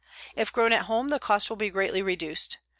If grown at home the cost will be greatly reduced.